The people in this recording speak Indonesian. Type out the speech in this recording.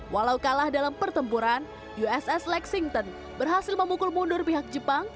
walau kalah dalam pertempuran uss lexington berhasil memukul mundur pihak jepang